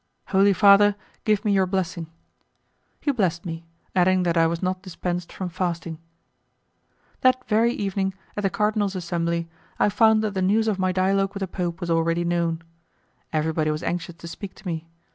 "Holy Father, give me your blessing." He blessed me, adding that I was not dispensed from fasting. That very evening, at the cardinal's assembly, I found that the news of my dialogue with the Pope was already known. Everybody was anxious to speak to me.